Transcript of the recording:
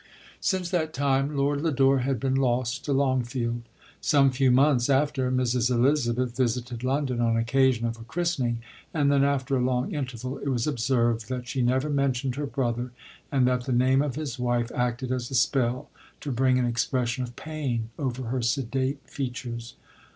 9 Since that time, Lord Lodore had been lost to Longfield. Some few months after Mrs. Eli zabeth visited London on occasion of a chris tening, and then after a long interval, it \v;i > observed, that she never mentioned her bro ther, and that the name of his wife acted as a spell, to bring an expression of pain over her sedate features.